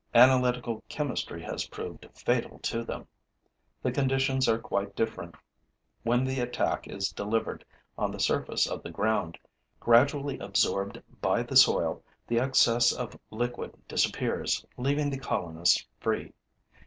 Analytical chemistry has proved fatal to them. The conditions are quite different when the attack is delivered on the surface of the ground. Gradually absorbed by the soil, the excess of liquid disappears, leaving the colonists free.